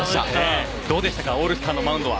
どうでしたかオールスターのマウンドは。